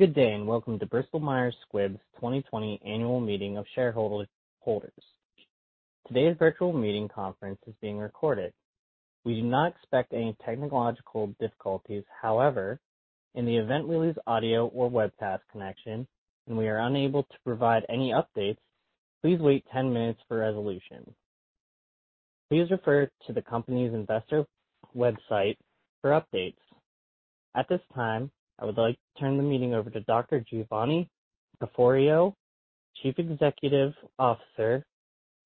Good day, and welcome to Bristol Myers Squibb Company's 2020 annual meeting of shareholders. Today's virtual meeting conference is being recorded. We do not expect any technological difficulties. However, in the event we lose audio or webcast connection, and we are unable to provide any updates, please wait 10 minutes for resolution. Please refer to the company's investor website for updates. At this time, I would like to turn the meeting over to Dr. Giovanni Caforio, Chief Executive Officer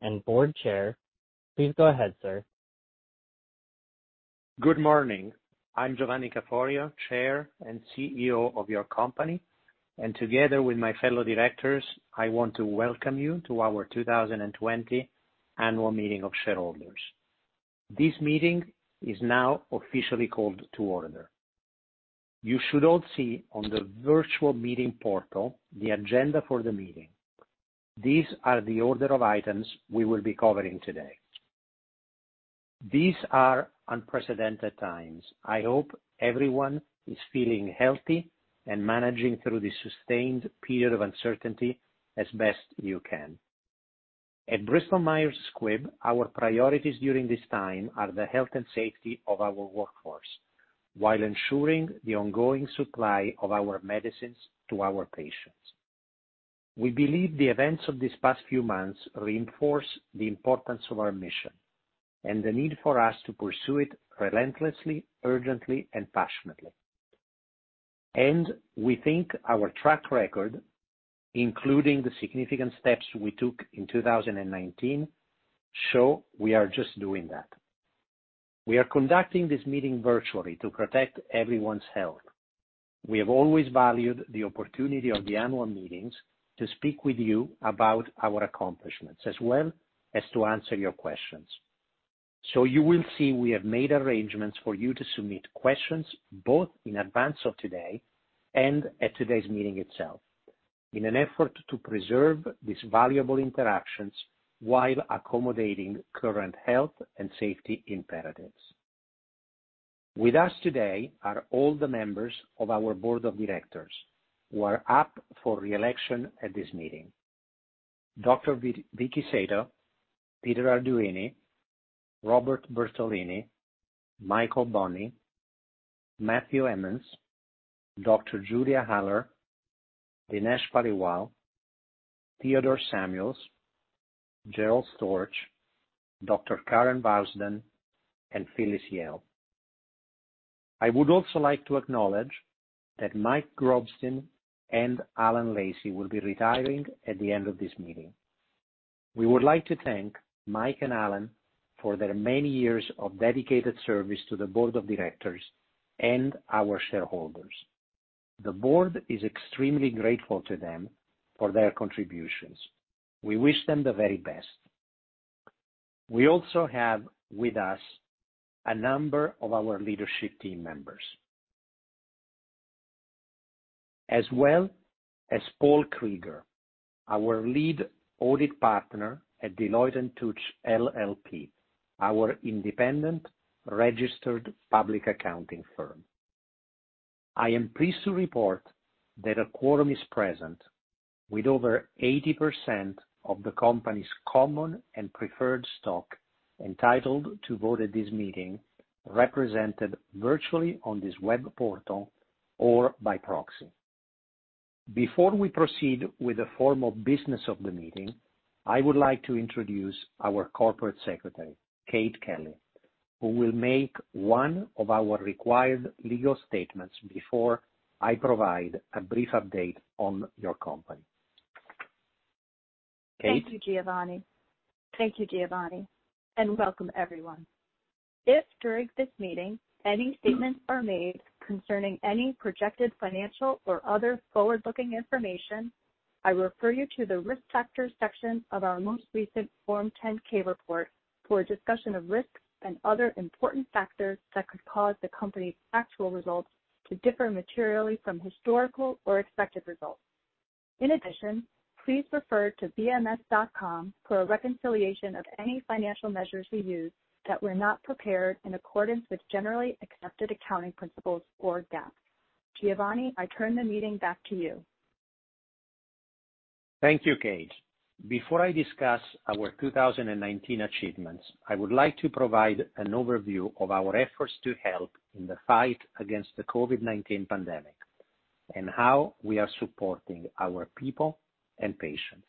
and Board Chair. Please go ahead, sir. Good morning. I'm Giovanni Caforio, Chair and CEO of your company, and together with my fellow directors, I want to welcome you to our 2020 annual meeting of shareholders. This meeting is now officially called to order. You should all see on the virtual meeting portal the agenda for the meeting. These are the order of items we will be covering today. These are unprecedented times. I hope everyone is feeling healthy and managing through this sustained period of uncertainty as best you can. At Bristol Myers Squibb, our priorities during this time are the health and safety of our workforce while ensuring the ongoing supply of our medicines to our patients. We believe the events of these past few months reinforce the importance of our mission and the need for us to pursue it relentlessly, urgently, and passionately. We think our track record, including the significant steps we took in 2019, show we are just doing that. We are conducting this meeting virtually to protect everyone's health. We have always valued the opportunity of the annual meetings to speak with you about our accomplishments as well as to answer your questions. You will see we have made arrangements for you to submit questions both in advance of today and at today's meeting itself in an effort to preserve these valuable interactions while accommodating current health and safety imperatives. With us today are all the members of our board of directors who are up for re-election at this meeting. Dr. Vicki Sato, Peter Arduini, Robert Bertolini, Michael Bonney, Matthew Emmens, Dr. Julia Haller, Dinesh Paliwal, Theodore Samuels, Gerald Storch, Dr. Karen Vousden, and Phyllis Yale. I would also like to acknowledge that Mike Grobstein and Alan Lacy will be retiring at the end of this meeting. We would like to thank Mike and Alan for their many years of dedicated service to the board of directors and our shareholders. The board is extremely grateful to them for their contributions. We wish them the very best. We also have with us a number of our leadership team members, as well as Paul Krieger, our Lead Audit Partner at Deloitte & Touche LLP, our independent registered public accounting firm. I am pleased to report that a quorum is present with over 80% of the company's common and preferred stock entitled to vote at this meeting, represented virtually on this web portal or by proxy. Before we proceed with the formal business of the meeting, I would like to introduce our corporate secretary, Kate Kelly, who will make one of our required legal statements before I provide a brief update on your company. Kate? Thank you, Giovanni. Thank you, Giovanni, and welcome everyone. If during this meeting any statements are made concerning any projected financial or other forward-looking information, I refer you to the Risk Factors section of our most recent Form 10-K report for a discussion of risks and other important factors that could cause the company's actual results to differ materially from historical or expected results. In addition, please refer to bms.com for a reconciliation of any financial measures we use that were not prepared in accordance with generally accepted accounting principles or GAAP. Giovanni, I turn the meeting back to you. Thank you, Kate. Before I discuss our 2019 achievements, I would like to provide an overview of our efforts to help in the fight against the COVID-19 pandemic and how we are supporting our people and patients.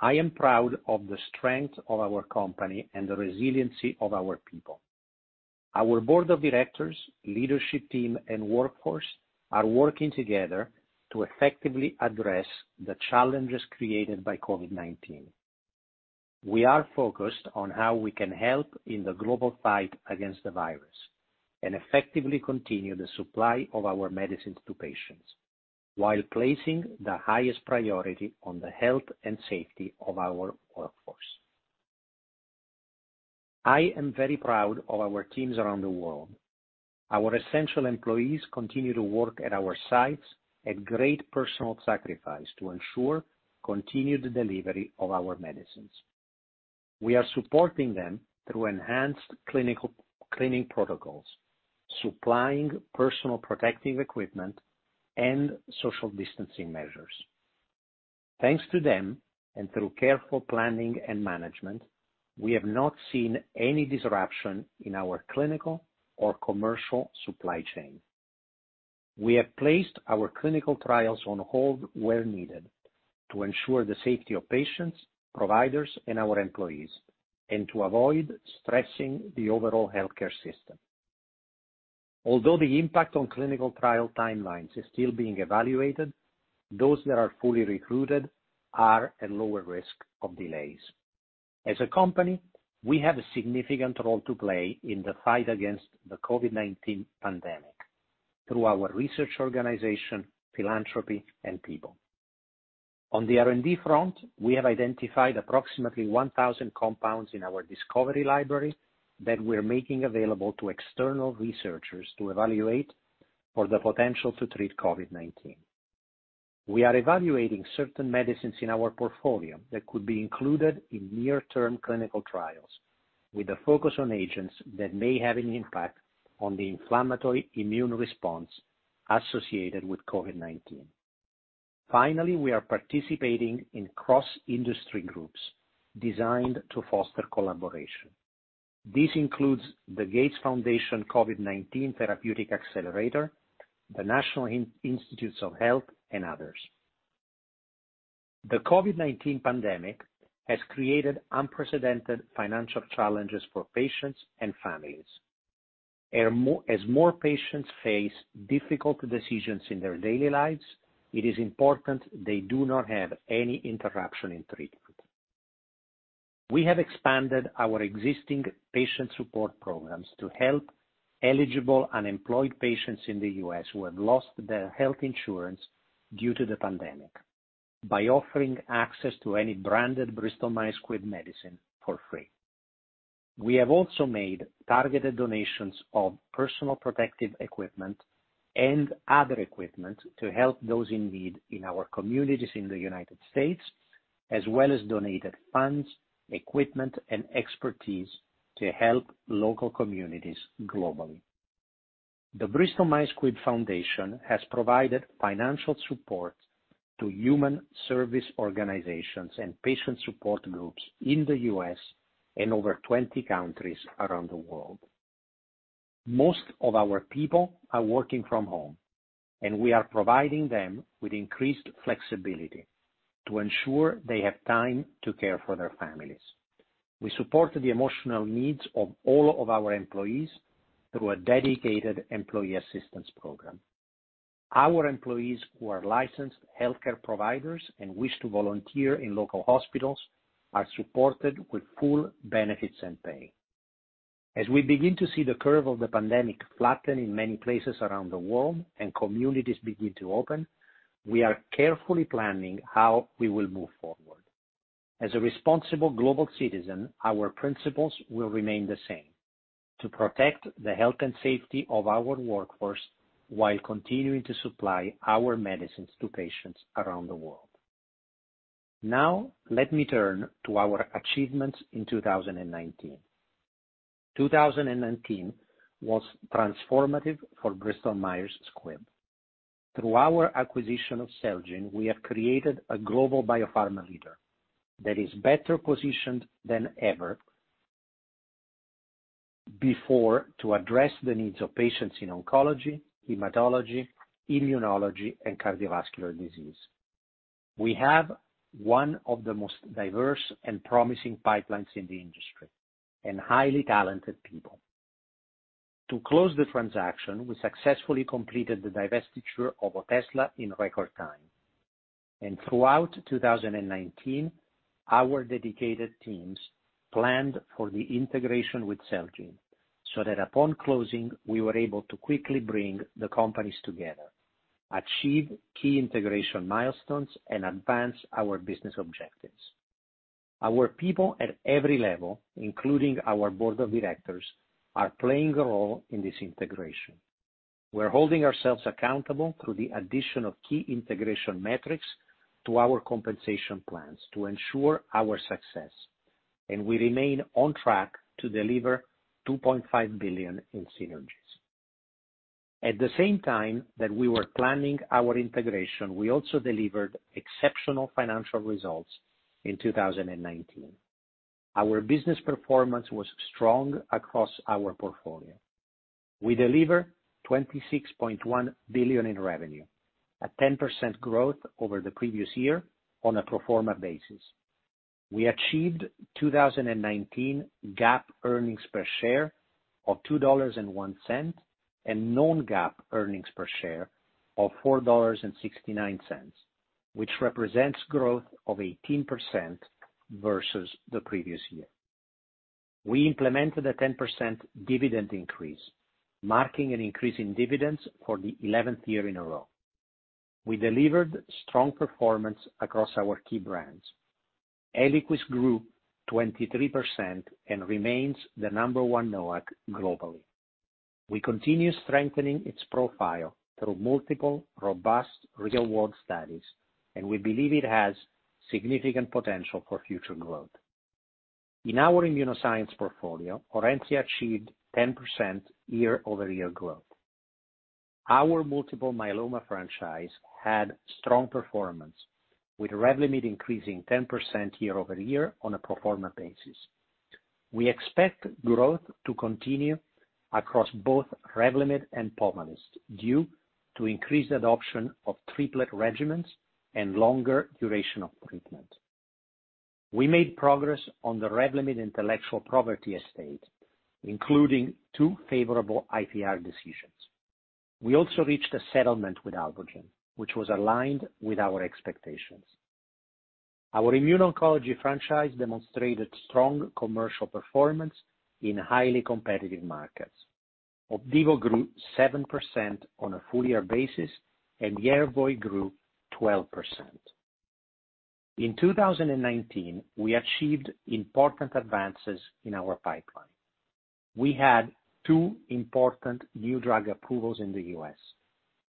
I am proud of the strength of our company and the resiliency of our people. Our board of directors, leadership team, and workforce are working together to effectively address the challenges created by COVID-19. We are focused on how we can help in the global fight against the virus and effectively continue the supply of our medicines to patients while placing the highest priority on the health and safety of our workforce. I am very proud of our teams around the world. Our essential employees continue to work at our sites at great personal sacrifice to ensure continued delivery of our medicines. We are supporting them through enhanced cleaning protocols, supplying personal protective equipment, and social distancing measures. Through careful planning and management, we have not seen any disruption in our clinical or commercial supply chain. We have placed our clinical trials on hold where needed to ensure the safety of patients, providers, and our employees, and to avoid stressing the overall healthcare system. Although the impact on clinical trial timelines is still being evaluated, those that are fully recruited are at lower risk of delays. As a company, we have a significant role to play in the fight against the COVID-19 pandemic through our research organization, philanthropy, and people. On the R&D front, we have identified approximately 1,000 compounds in our discovery library that we're making available to external researchers to evaluate for the potential to treat COVID-19. We are evaluating certain medicines in our portfolio that could be included in near-term clinical trials, with a focus on agents that may have an impact on the inflammatory immune response associated with COVID-19. Finally, we are participating in cross-industry groups designed to foster collaboration. This includes the Gates Foundation COVID-19 Therapeutics Accelerator, the National Institutes of Health, and others. The COVID-19 pandemic has created unprecedented financial challenges for patients and families. As more patients face difficult decisions in their daily lives, it is important they do not have any interruption in treatment. We have expanded our existing patient support programs to help eligible unemployed patients in the U.S. who have lost their health insurance due to the pandemic by offering access to any branded Bristol Myers Squibb medicine for free. We have also made targeted donations of personal protective equipment and other equipment to help those in need in our communities in the United States, as well as donated funds, equipment, and expertise to help local communities globally. The Bristol Myers Squibb Foundation has provided financial support to human service organizations and patient support groups in the U.S. and over 20 countries around the world. Most of our people are working from home, and we are providing them with increased flexibility to ensure they have time to care for their families. We support the emotional needs of all of our employees through a dedicated employee assistance program. Our employees who are licensed healthcare providers and wish to volunteer in local hospitals are supported with full benefits and pay. As we begin to see the curve of the pandemic flatten in many places around the world and communities begin to open, we are carefully planning how we will move forward. As a responsible global citizen, our principles will remain the same, to protect the health and safety of our workforce while continuing to supply our medicines to patients around the world. Now, let me turn to our achievements in 2019. 2019 was transformative for Bristol Myers Squibb. Through our acquisition of Celgene, we have created a global biopharma leader that is better positioned than ever before to address the needs of patients in oncology, hematology, immunology, and cardiovascular disease. We have one of the most diverse and promising pipelines in the industry and highly talented people. To close the transaction, we successfully completed the divestiture of OTEZLA in record time. Throughout 2019, our dedicated teams planned for the integration with Celgene, so that upon closing, we were able to quickly bring the companies together, achieve key integration milestones, and advance our business objectives. Our people at every level, including our board of directors, are playing a role in this integration. We're holding ourselves accountable through the addition of key integration metrics to our compensation plans to ensure our success, and we remain on track to deliver $2.5 billion in synergies. At the same time that we were planning our integration, we also delivered exceptional financial results in 2019. Our business performance was strong across our portfolio. We delivered $26.1 billion in revenue, a 10% growth over the previous year on a pro forma basis. We achieved 2019 GAAP earnings per share of $2.01, and non-GAAP earnings per share of $4.69, which represents growth of 18% versus the previous year. We implemented a 10% dividend increase, marking an increase in dividends for the 11th year in a row. We delivered strong performance across our key brands. ELIQUIS grew 23% and remains the number one NOAC globally. We continue strengthening its profile through multiple robust real-world studies, and we believe it has significant potential for future growth. In our Immunoscience portfolio, ORENCIA achieved 10% year-over-year growth. Our multiple myeloma franchise had strong performance, with REVLIMID increasing 10% year-over-year on a pro forma basis. We expect growth to continue across both REVLIMID and POMALYST due to increased adoption of triplet regimens and longer duration of treatment. We made progress on the REVLIMID intellectual property estate, including two favorable IPR decisions. We also reached a settlement with Alvogen, which was aligned with our expectations. Our immune oncology franchise demonstrated strong commercial performance in highly competitive markets. OPDIVO grew 7% on a full-year basis, and YERVOY grew 12%. In 2019, we achieved important advances in our pipeline. We had two important new drug approvals in the U.S.,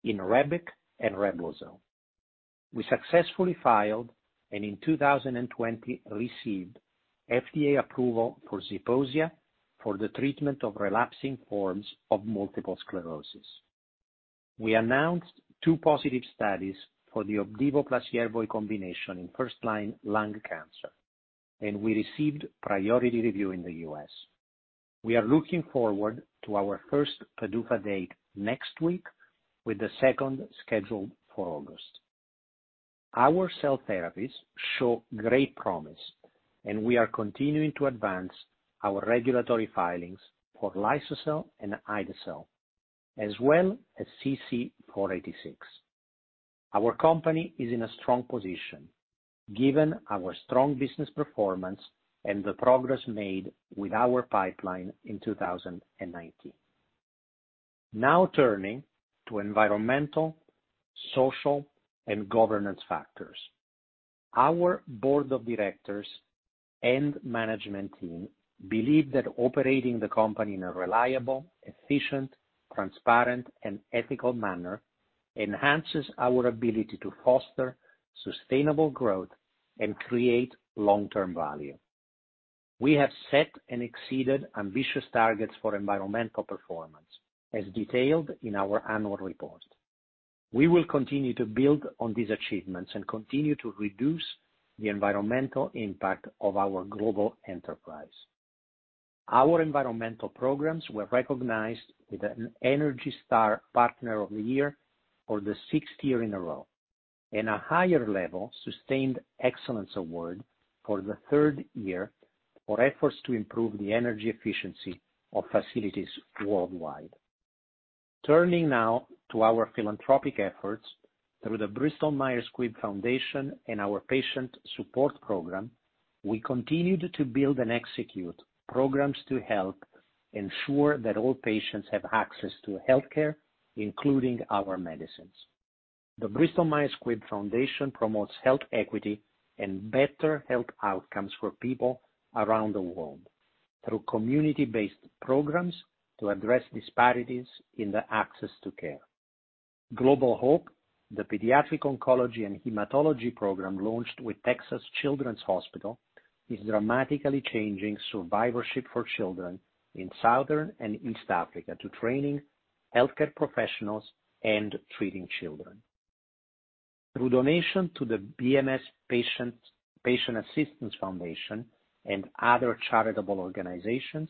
INREBIC and REBLOZYL. We successfully filed, and in 2020, received FDA approval for ZEPOSIA for the treatment of relapsing forms of multiple sclerosis. We announced two positive studies for the OPDIVO plus YERVOY combination in first-line lung cancer, and we received priority review in the U.S. We are looking forward to our first PDUFA date next week, with the second scheduled for August. Our cell therapies show great promise, and we are continuing to advance our regulatory filings for liso-cel and Ide-cel, as well as CC-486. Our company is in a strong position, given our strong business performance and the progress made with our pipeline in 2019. Turning to environmental, social, and governance factors. Our board of directors and management team believe that operating the company in a reliable, efficient, transparent, and ethical manner enhances our ability to foster sustainable growth and create long-term value. We have set and exceeded ambitious targets for environmental performance, as detailed in our annual report. We will continue to build on these achievements and continue to reduce the environmental impact of our global enterprise. Our environmental programs were recognized with an ENERGY STAR Partner of the Year for the sixth year in a row, and a higher level Sustained Excellence Award for the third year for efforts to improve the energy efficiency of facilities worldwide. Turning now to our philanthropic efforts through the Bristol Myers Squibb Foundation and our patient support program, we continued to build and execute programs to help ensure that all patients have access to healthcare, including our medicines. The Bristol Myers Squibb Foundation promotes health equity and better health outcomes for people around the world through community-based programs to address disparities in the access to care. Global HOPE, the pediatric oncology and hematology program launched with Texas Children's Hospital, is dramatically changing survivorship for children in Southern and East Africa to training healthcare professionals and treating children. Through donation to the BMS Patient Assistance Foundation and other charitable organizations,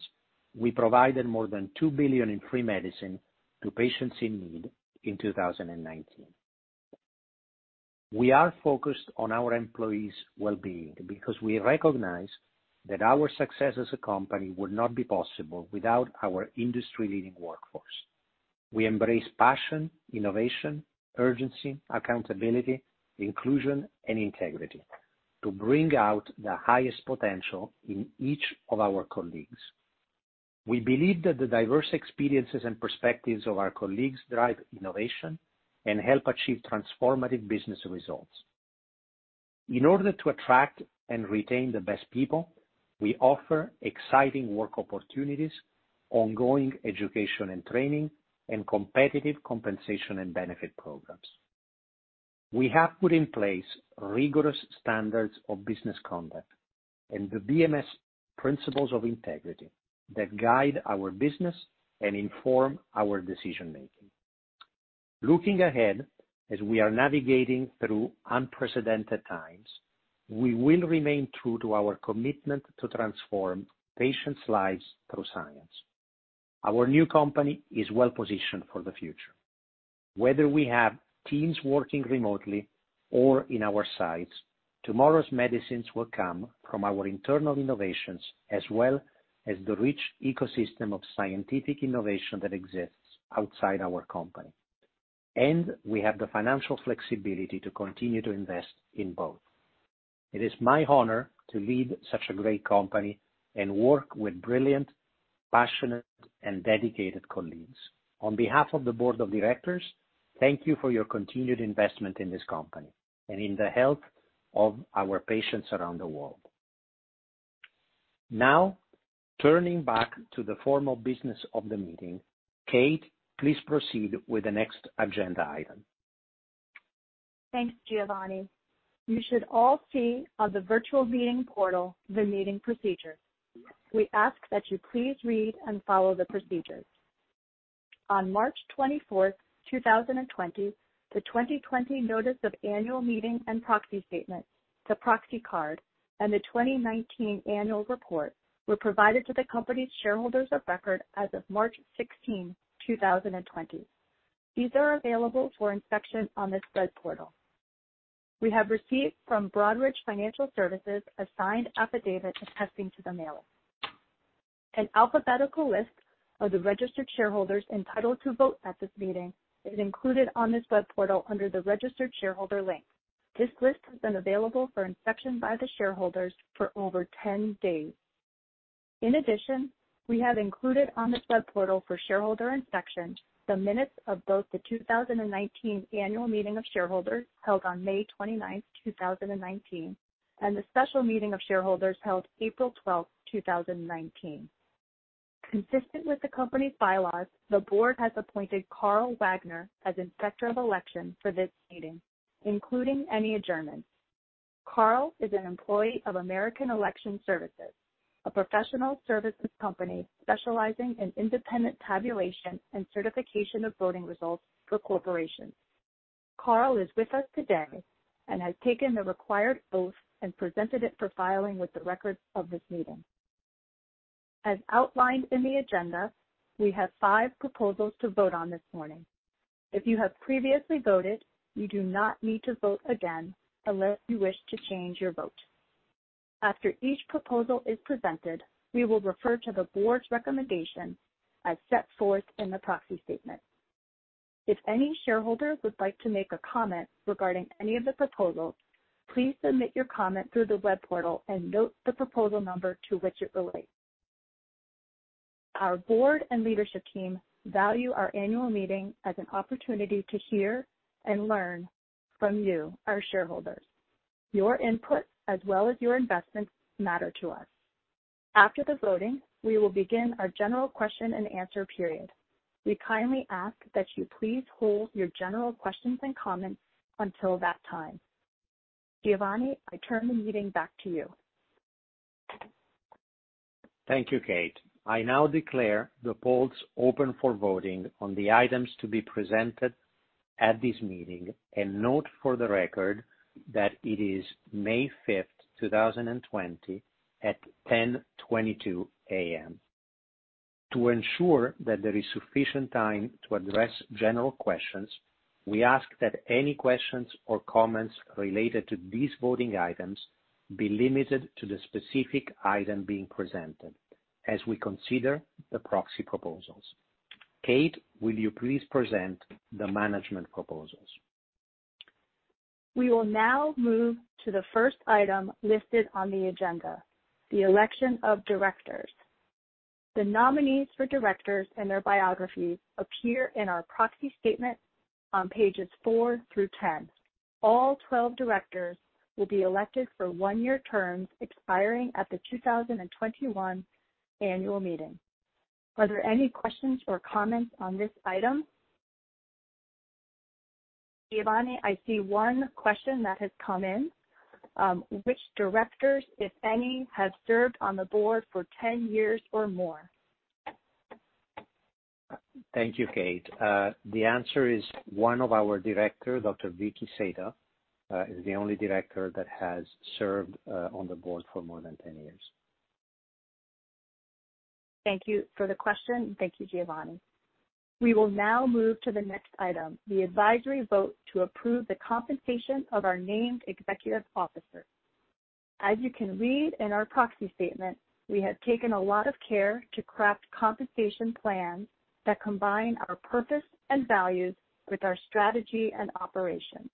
we provided more than $2 billion in free medicine to patients in need in 2019. We are focused on our employees' well-being because we recognize that our success as a company would not be possible without our industry-leading workforce. We embrace passion, innovation, urgency, accountability, inclusion, and integrity to bring out the highest potential in each of our colleagues. We believe that the diverse experiences and perspectives of our colleagues drive innovation and help achieve transformative business results. In order to attract and retain the best people, we offer exciting work opportunities, ongoing education and training, and competitive compensation and benefit programs. We have put in place rigorous standards of business conduct and the BMS principles of integrity that guide our business and inform our decision-making. Looking ahead, as we are navigating through unprecedented times, we will remain true to our commitment to transform patients' lives through science. Our new company is well-positioned for the future. Whether we have teams working remotely or in our sites, tomorrow's medicines will come from our internal innovations as well as the rich ecosystem of scientific innovation that exists outside our company. We have the financial flexibility to continue to invest in both. It is my honor to lead such a great company and work with brilliant, passionate, and dedicated colleagues. On behalf of the board of directors, thank you for your continued investment in this company and in the health of our patients around the world. Turning back to the formal business of the meeting, Kate, please proceed with the next agenda item. Thanks, Giovanni. You should all see on the virtual meeting portal the meeting procedure. We ask that you please read and follow the procedures. On March 24th, 2020, the 2020 notice of annual meeting and proxy statement, the proxy card, and the 2019 annual report were provided to the company's shareholders of record as of March 16th, 2020. These are available for inspection on this web portal. We have received from Broadridge Financial Services a signed affidavit attesting to the mailing. An alphabetical list of the registered shareholders entitled to vote at this meeting is included on this web portal under the registered shareholder link. This list has been available for inspection by the shareholders for over 10 days. In addition, we have included on this web portal for shareholder inspection the minutes of both the 2019 annual meeting of shareholders held on May 29th, 2019, and the special meeting of shareholders held April 12th, 2019. Consistent with the company's bylaws, the Board has appointed Carl Wagner as Inspector of Election for this meeting, including any adjournment. Carl is an employee of American Election Services, a professional services company specializing in independent tabulation and certification of voting results for corporations. Carl is with us today and has taken the required oath and presented it for filing with the records of this meeting. As outlined in the agenda, we have five proposals to vote on this morning. If you have previously voted, you do not need to vote again unless you wish to change your vote. After each proposal is presented, we will refer to the board's recommendation as set forth in the proxy statement. If any shareholder would like to make a comment regarding any of the proposals, please submit your comment through the web portal and note the proposal number to which it relates. Our board and leadership team value our annual meeting as an opportunity to hear and learn from you, our shareholders. Your input, as well as your investments, matter to us. After the voting, we will begin our general question and answer period. We kindly ask that you please hold your general questions and comments until that time. Giovanni, I turn the meeting back to you. Thank you, Kate. I now declare the polls open for voting on the items to be presented at this meeting and note for the record that it is May 5th, 2020 at 10:22 A.M. To ensure that there is sufficient time to address general questions, we ask that any questions or comments related to these voting items be limited to the specific item being presented as we consider the proxy proposals. Kate, will you please present the management proposals? We will now move to the first item listed on the agenda, the election of directors. The nominees for directors and their biographies appear in our proxy statement on pages four through 10. All 12 directors will be elected for one-year terms expiring at the 2021 annual meeting. Are there any questions or comments on this item? Giovanni, I see one question that has come in. Which directors, if any, have served on the board for 10 years or more? Thank you, Kate. The answer is one of our directors, Dr. Vicki Sato, is the only director that has served on the board for more than 10 years. Thank you for the question. Thank you, Giovanni. We will now move to the next item, the advisory vote to approve the compensation of our named executive officer. As you can read in our proxy statement, we have taken a lot of care to craft compensation plans that combine our purpose and values with our strategy and operations.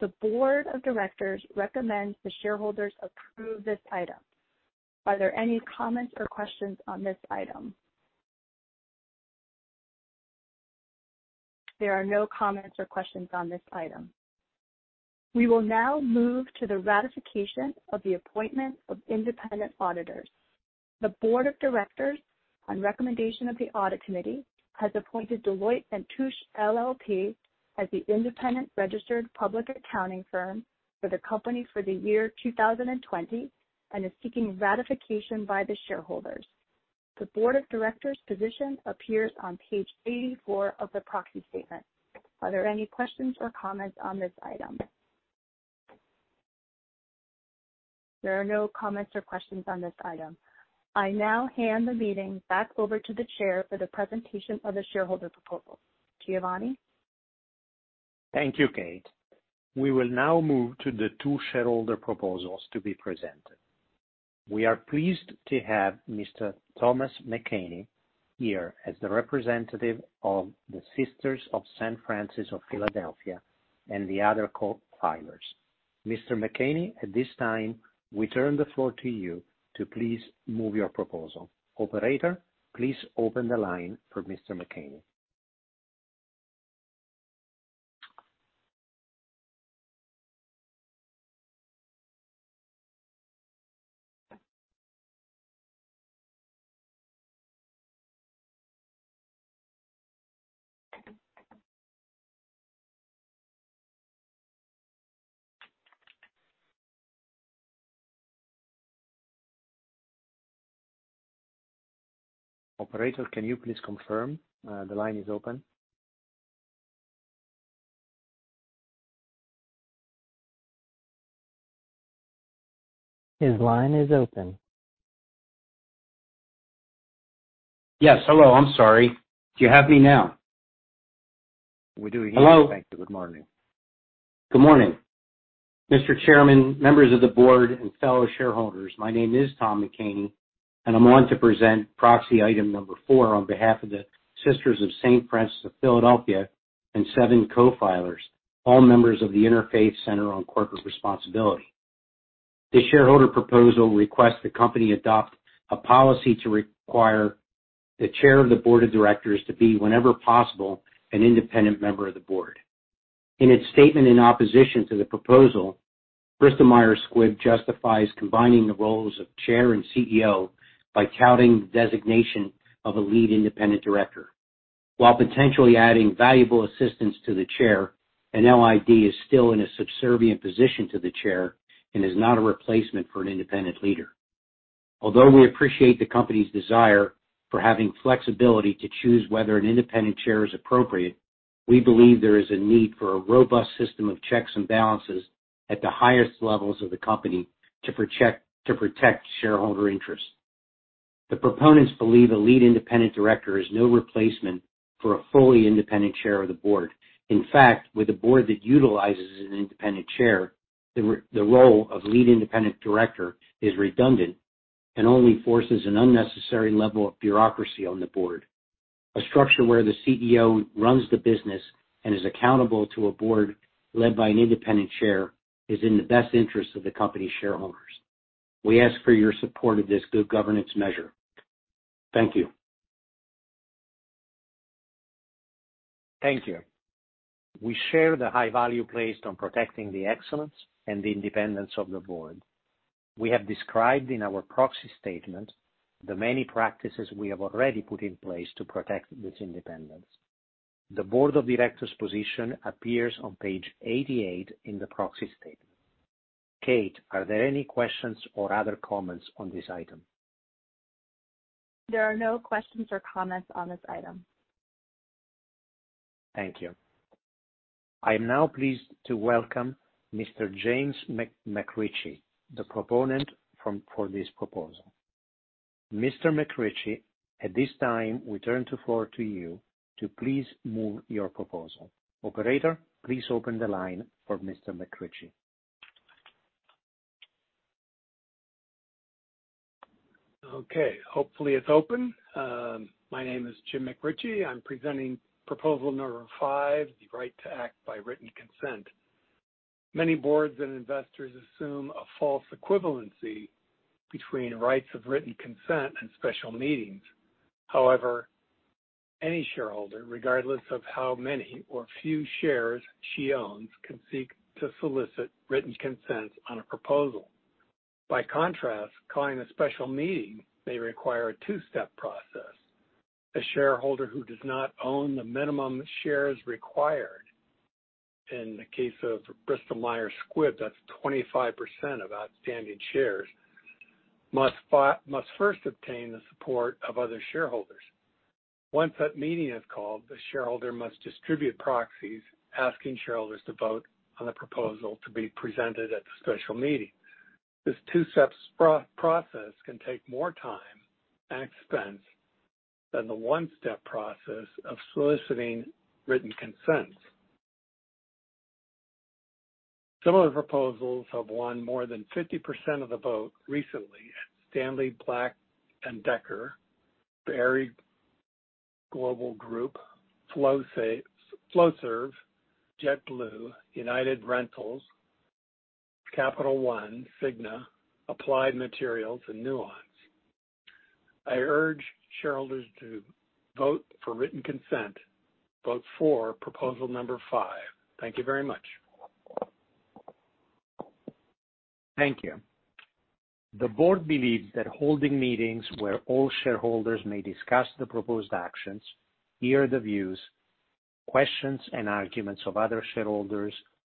The board of directors recommends the shareholders approve this item. Are there any comments or questions on this item? There are no comments or questions on this item. We will now move to the ratification of the appointment of independent auditors. The board of directors, on recommendation of the audit committee, has appointed Deloitte & Touche LLP as the independent registered public accounting firm for the company for the year 2020 and is seeking ratification by the shareholders. The board of directors' position appears on page 84 of the proxy statement. Are there any questions or comments on this item? There are no comments or questions on this item. I now hand the meeting back over to the chair for the presentation of the shareholder proposal. Giovanni? Thank you, Kate. We will now move to the two shareholder proposals to be presented. We are pleased to have Mr. Thomas McCaney here as the representative of the Sisters of St. Francis of Philadelphia and the other co-filers. Mr. McCaney, at this time, we turn the floor to you to please move your proposal. Operator, please open the line for Mr. McCaney. Operator, can you please confirm the line is open? His line is open. Yes. Hello. I'm sorry. Do you have me now? We do indeed. Hello. Thank you. Good morning. Good morning. Mr. Chairman, members of the board, and fellow shareholders, my name is Tom McCaney, and I'm on to present proxy item number four on behalf of the Sisters of St. Francis of Philadelphia and seven co-filers, all members of the Interfaith Center on Corporate Responsibility. This shareholder proposal requests the company adopt a policy to require the chair of the board of directors to be, whenever possible, an independent member of the board. In its statement in opposition to the proposal, Bristol Myers Squibb justifies combining the roles of chair and CEO by touting the designation of a lead independent director. While potentially adding valuable assistance to the chair, an LID is still in a subservient position to the chair and is not a replacement for an independent leader. Although we appreciate the company's desire for having flexibility to choose whether an independent chair is appropriate, we believe there is a need for a robust system of checks and balances at the highest levels of the company to protect shareholder interests. The proponents believe a lead independent director is no replacement for a fully independent chair of the board. In fact, with a board that utilizes an independent chair, the role of lead independent director is redundant and only forces an unnecessary level of bureaucracy on the board. A structure where the CEO runs the business and is accountable to a board led by an independent chair is in the best interest of the company shareholders. We ask for your support of this good governance measure. Thank you. Thank you. We share the high value placed on protecting the excellence and the independence of the board. We have described in our proxy statement the many practices we have already put in place to protect this independence. The board of directors' position appears on page 88 in the proxy statement. Kate, are there any questions or other comments on this item? There are no questions or comments on this item. Thank you. I am now pleased to welcome Mr. James McRitchie, the proponent for this proposal. Mr. McRitchie, at this time, we turn the floor to you to please move your proposal. Operator, please open the line for Mr. McRitchie. Hopefully it's open. My name is Jim McRitchie. I'm presenting proposal number five, the right to act by written consent. Many boards and investors assume a false equivalency between rights of written consent and special meetings. However, any shareholder, regardless of how many or few shares she owns, can seek to solicit written consents on a proposal. By contrast, calling a special meeting may require a two-step process. A shareholder who does not own the minimum shares required, in the case of Bristol Myers Squibb, that's 25% of outstanding shares, must first obtain the support of other shareholders. Once that meeting is called, the shareholder must distribute proxies asking shareholders to vote on the proposal to be presented at the special meeting. This two-step process can take more time and expense than the 1-step process of soliciting written consents. Similar proposals have won more than 50% of the vote recently at Stanley Black & Decker, Berry Global Group, Flowserve, JetBlue, United Rentals, Capital One, Cigna, Applied Materials, and Nuance. I urge shareholders to vote for written consent. Vote for proposal number five. Thank you very much. Thank you. The board believes that holding meetings where all shareholders may discuss the proposed actions, hear the views, questions, and arguments of other shareholders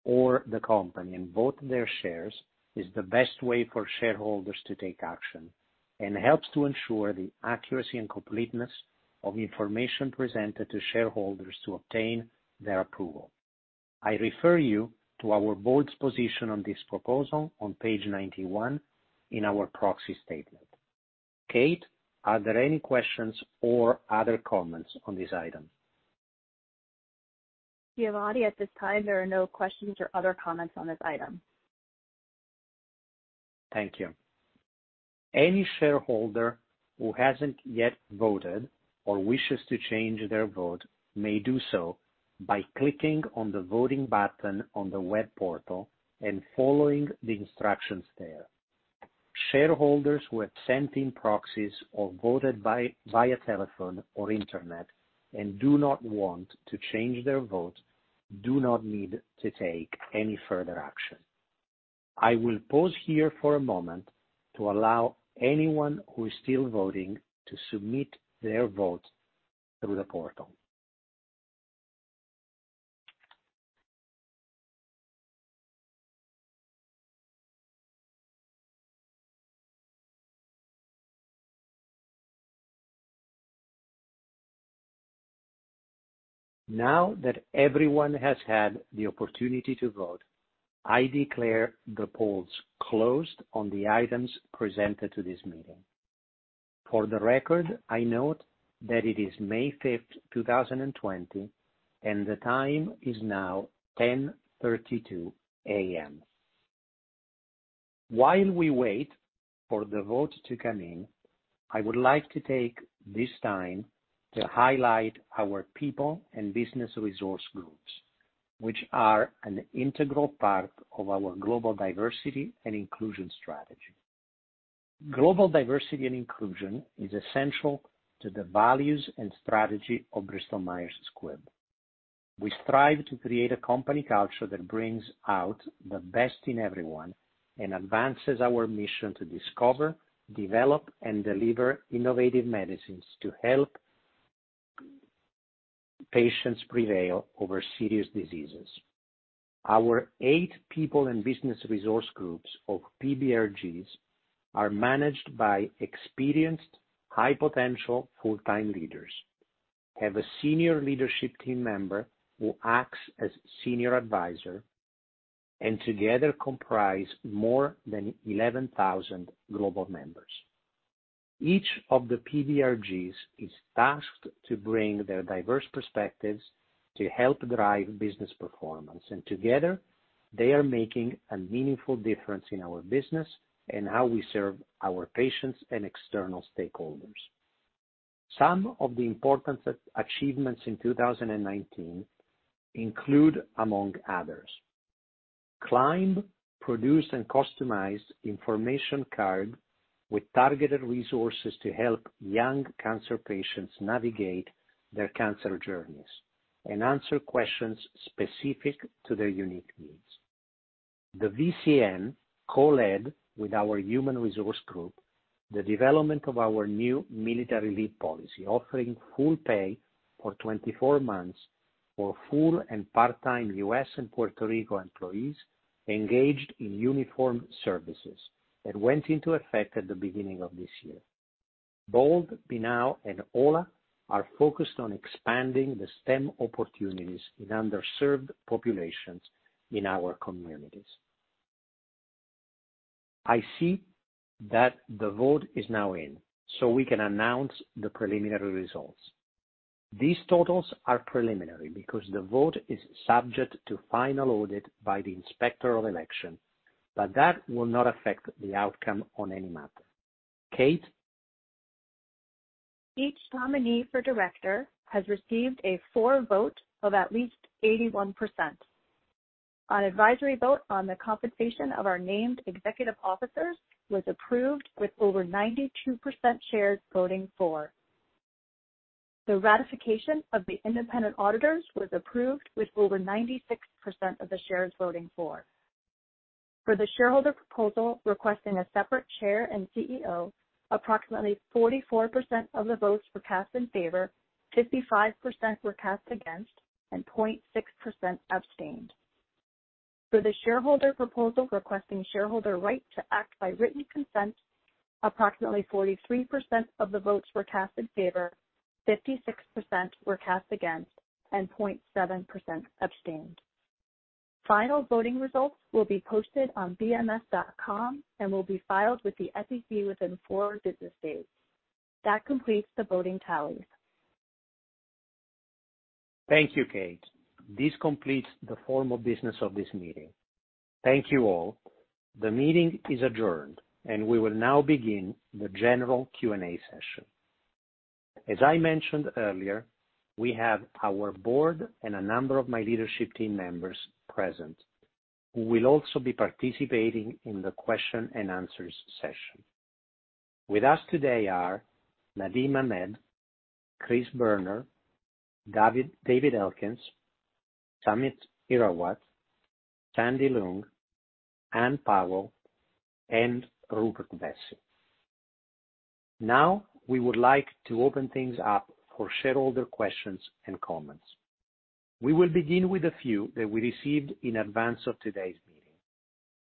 or the company, and vote their shares is the best way for shareholders to take action and helps to ensure the accuracy and completeness of information presented to shareholders to obtain their approval. I refer you to our board's position on this proposal on page 91 in our proxy statement. Kate, are there any questions or other comments on this item? Giovanni, at this time, there are no questions or other comments on this item. Thank you. Any shareholder who hasn't yet voted or wishes to change their vote may do so by clicking on the voting button on the web portal and following the instructions there. Shareholders who have sent in proxies or voted via telephone or internet and do not want to change their vote do not need to take any further action. I will pause here for a moment to allow anyone who is still voting to submit their vote through the portal. Now that everyone has had the opportunity to vote, I declare the polls closed on the items presented to this meeting. For the record, I note that it is May 5th, 2020, and the time is now 10:32 A.M. While we wait for the votes to come in, I would like to take this time to highlight our People and Business Resource Groups, which are an integral part of our global diversity and inclusion strategy. Global diversity and inclusion is essential to the values and strategy of Bristol Myers Squibb Company. We strive to create a company culture that brings out the best in everyone and advances our mission to discover, develop, and deliver innovative medicines to help patients prevail over serious diseases. Our eight People and Business Resource Groups of PBRGs are managed by experienced high-potential full-time leaders, have a senior leadership team member who acts as senior advisor, and together comprise more than 11,000 global members. Each of the PBRGs is tasked to bring their diverse perspectives to help drive business performance, and together they are making a meaningful difference in our business and how we serve our patients and external stakeholders. Some of the important achievements in 2019 include, among others, CLIMB produced and customized information card with targeted resources to help young cancer patients navigate their cancer journeys and answer questions specific to their unique needs. The VCN co-led with our human resource group, the development of our new military leave policy, offering full pay for 24 months for full and part-time U.S. and Puerto Rico employees engaged in uniform services that went into effect at the beginning of this year. BOLD, B-NOW, and OLA are focused on expanding the STEM opportunities in underserved populations in our communities. I see that the vote is now in. We can announce the preliminary results. These totals are preliminary because the vote is subject to final audit by the Inspector of Election, but that will not affect the outcome on any matter. Kate? Each nominee for director has received a four vote of at least 81%. An advisory vote on the compensation of our named executive officers was approved with over 92% shares voting for. The ratification of the independent auditors was approved with over 96% of the shares voting for. For the shareholder proposal requesting a separate chair and CEO, approximately 44% of the votes were cast in favor, 55% were cast against, and 0.6% abstained. For the shareholder proposal requesting shareholder right to act by written consent, approximately 43% of the votes were cast in favor, 56% were cast against, and 0.7% abstained. Final voting results will be posted on bms.com and will be filed with the SEC within four business days. That completes the voting tallies. Thank you, Kate. This completes the formal business of this meeting. Thank you all. The meeting is adjourned, and we will now begin the general Q&A session. As I mentioned earlier, we have our board and a number of my leadership team members present who will also be participating in the question and answers session. With us today are Nadim Ahmed, Chris Boerner, David Elkins, Samit Hirawat, Sandra Leung, Ann Powell, and Rupert Vessey. Now, we would like to open things up for shareholder questions and comments. We will begin with a few that we received in advance of today's meeting.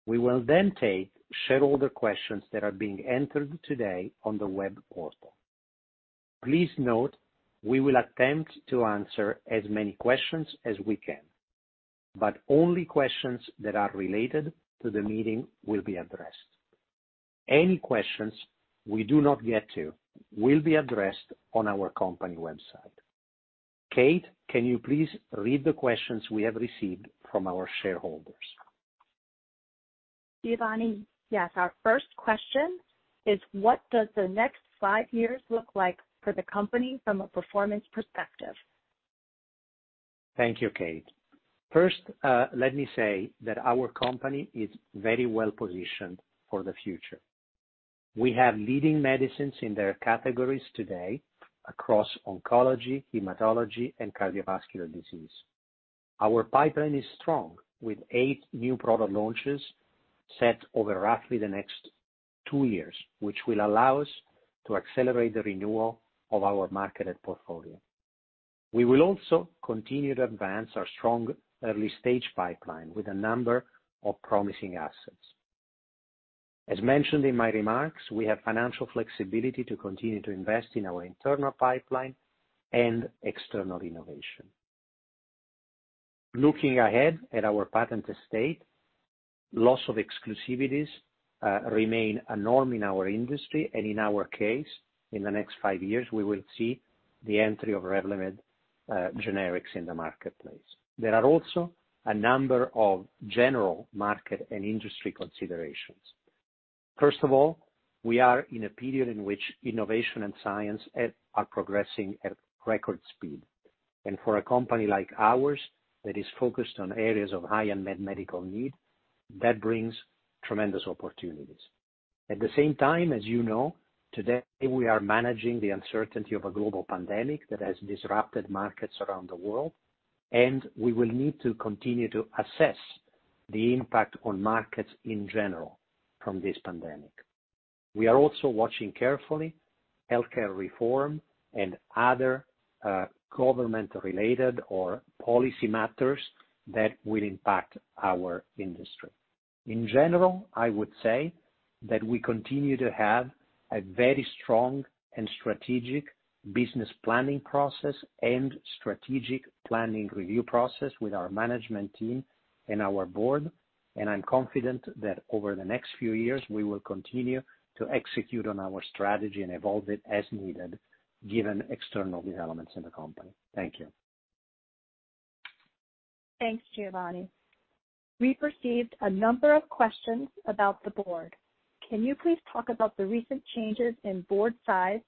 We will then take shareholder questions that are being entered today on the web portal. Please note, we will attempt to answer as many questions as we can, but only questions that are related to the meeting will be addressed. Any questions we do not get to will be addressed on our company website. Kate, can you please read the questions we have received from our shareholders? Giovanni, yes. Our first question is, what does the next five years look like for the company from a performance perspective? Thank you, Kate. First, let me say that our company is very well-positioned for the future. We have leading medicines in their categories today across oncology, hematology, and cardiovascular disease. Our pipeline is strong, with eight new product launches set over roughly the next two years, which will allow us to accelerate the renewal of our marketed portfolio. We will also continue to advance our strong early-stage pipeline with a number of promising assets. As mentioned in my remarks, we have financial flexibility to continue to invest in our internal pipeline and external innovation. Looking ahead at our patent estate, loss of exclusivities remain a norm in our industry, and in our case, in the next five years, we will see the entry of REVLIMID generics in the marketplace. There are also a number of general market and industry considerations. First of all, we are in a period in which innovation and science are progressing at record speed. For a company like ours, that is focused on areas of high unmet medical need, that brings tremendous opportunities. At the same time, as you know, today, we are managing the uncertainty of a global pandemic that has disrupted markets around the world, and we will need to continue to assess the impact on markets in general from this pandemic. We are also watching carefully healthcare reform and other government-related or policy matters that will impact our industry. In general, I would say that we continue to have a very strong and strategic business planning process and strategic planning review process with our management team and our board, and I'm confident that over the next few years, we will continue to execute on our strategy and evolve it as needed given external developments in the company. Thank you. Thanks, Giovanni. We've received a number of questions about the board. Can you please talk about the recent changes in board size,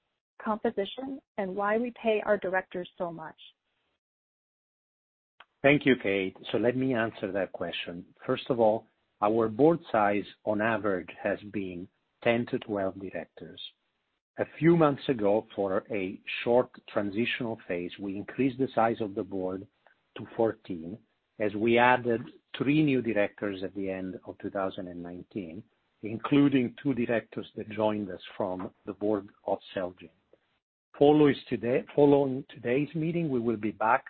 composition, and why we pay our directors so much? Thank you, Kate. Let me answer that question. First of all, our board size on average has been 10-12 directors. A few months ago, for a short transitional phase, we increased the size of the board to 14 as we added three new directors at the end of 2019, including two directors that joined us from the board of Celgene. Following today's meeting, we will be back